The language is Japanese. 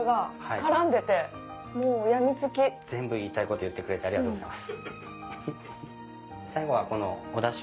全部言いたいこと言ってくれてありがとうございます。